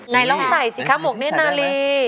ไหนลองใส่สิคะหมวกเนธนาลี